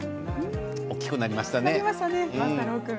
大きくなりましたね。